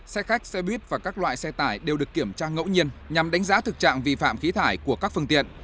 xe khách xe buýt và các loại xe tải đều được kiểm tra ngẫu nhiên nhằm đánh giá thực trạng vi phạm khí thải của các phương tiện